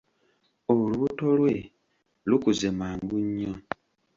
Olubuto lwe lukuze mangu nnyo.